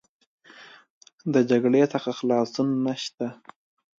د جګړې څخه خلاصون نشته.